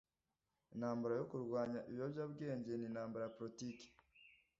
Intambara yo kurwanya ibiyobyabwenge ni intambara ya politiki